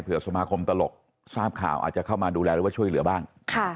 เพื่อสมาคมตลกทราบข่าวอาจจะเข้ามาดูแลหรือว่าช่วยเหลือบ้าง